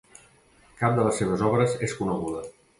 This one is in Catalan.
Cap de les seves obres és coneguda.